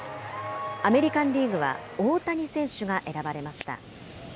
アメリカンリーグは大谷選手が選ばれました。